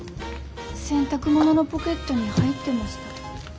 洗濯物のポケットに入ってました。